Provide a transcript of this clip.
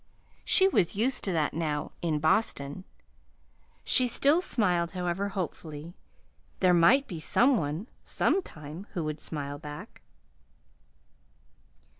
She was used to that now in Boston. She still smiled, however, hopefully: there might be some one, sometime, who would smile back.